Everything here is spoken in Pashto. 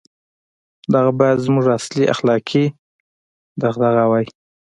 • دغه باید زموږ اصلي اخلاقي دغدغه وای.